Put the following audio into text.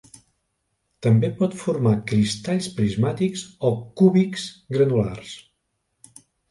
També pot formar cristalls prismàtics o cúbics granulars.